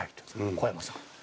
小山さん。